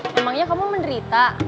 memangnya kamu menderita